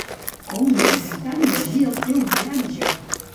Com m'ha irritat llegir el teu viatge!